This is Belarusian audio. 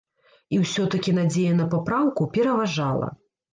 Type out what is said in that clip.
І ўсё-такі надзея на папраўку пераважала.